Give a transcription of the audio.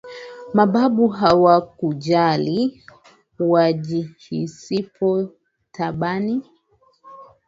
Mababu hawakujali, wajihisipo tabani,